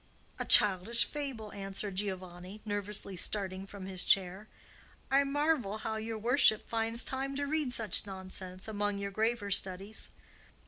"A childish fable," answered Giovanni, nervously starting from his chair. "I marvel how your worship finds time to read such nonsense among your graver studies."